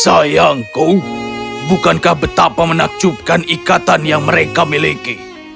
sayangku bukankah betapa menakjubkan ikatan yang mereka miliki